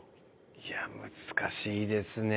いや難しいですね。